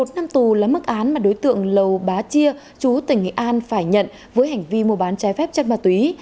một mươi năm tù là mức án mà đối tượng lầu bá chia chú tỉnh nghệ an phải nhận với hành vi mua bán trái phép chất ma túy